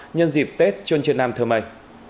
nhân dịp tết chôn trên nam thơ mây